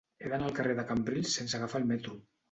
He d'anar al carrer de Cambrils sense agafar el metro.